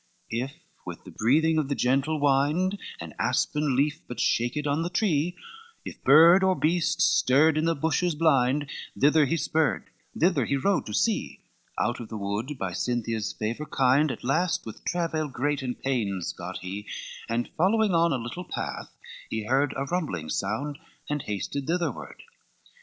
XXIV If with the breathing of the gentle wind, An aspen leaf but shaked on the tree, If bird or beast stirred in the bushes blind, Thither he spurred, thither he rode to see: Out of the wood by Cynthia's favor kind, At last, with travel great and pains, got he, And following on a little path, he heard A rumbling sound, and hasted thitherward.